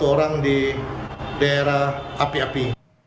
satu orang di daerah api api